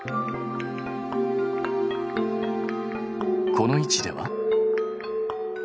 この位置では。